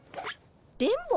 電ボ？